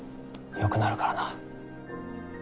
よくなるからな。